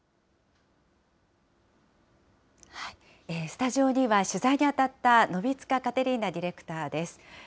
スタジオには、取材に当たったノヴィツカ・カテリーナディレクターです。